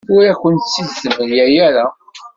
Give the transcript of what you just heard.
Ur akent-tt-id-temla ara.